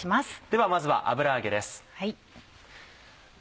ではまずは油揚げです。